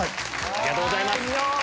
ありがとうございます。